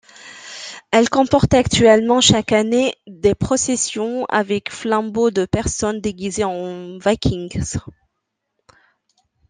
Elle comporte actuellement chaque année, des processions avec flambeau de personnes déguisées en Vikings.